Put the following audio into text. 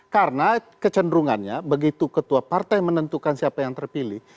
karena kecenderungannya begitu ketua partai menentukan siapa yang terpilih